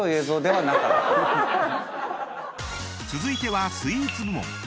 ［続いてはスイーツ部門］